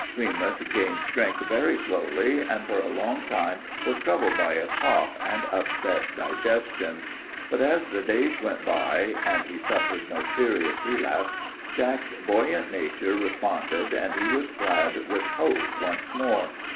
Remus gained strength very slowly and for a long time was troubled by a cough and upset digestion, but as the days went by and he suffered no serious relapse Jack's buoyant nature responded and he was glad with hope once more.